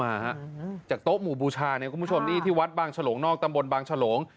มาจากโต๊ะหมู่บูชาที่วัดบางฉลงนอกตำบลบางฉลง